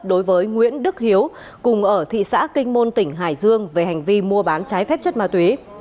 đối với nguyễn đức hiếu cùng ở thị xã kinh môn tỉnh hải dương về hành vi mua bán trái phép chất ma túy